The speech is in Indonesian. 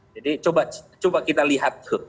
jadi coba kita lihat